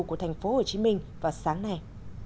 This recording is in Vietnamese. của tp hcm vào sáng nay